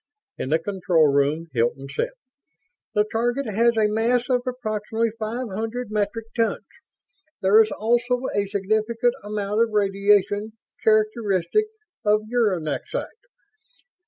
In the control room, Hilton said, "The target has a mass of approximately five hundred metric tons. There is also a significant amount of radiation characteristic of uranexite.